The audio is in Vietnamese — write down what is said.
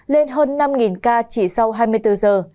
lên hơn năm ca chỉ sau hai mươi bốn giờ